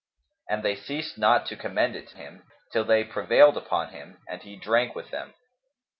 And they ceased not to commend it to him, till they prevailed upon him and he drank with them.